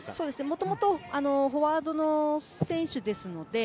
もともとフォワードの選手ですので。